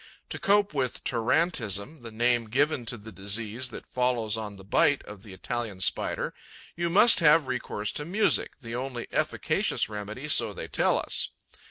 To cope with 'tarantism,' the name given to the disease that follows on the bite of the Italian Spider, you must have recourse to music, the only efficacious remedy, so they tell us.